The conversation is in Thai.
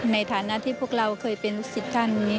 ในฐานะที่พวกเราเคยเป็นสิทธิ์ท่าน